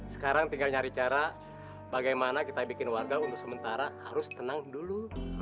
sekarang tinggal nyari cara bagaimana kita bikin warga untuk sementara harus tenang dulu